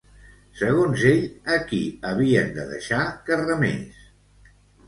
Segons ell, a qui havien de deixar que remés?